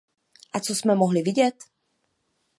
A co jsme mohli vidět?